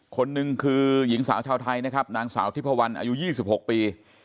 คนนึงคือหญิงสาวชาวไทยนะครับนางสาวธิพวรรณอายุยี่สิบหกปี